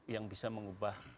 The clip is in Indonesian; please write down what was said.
yang bisa mengubah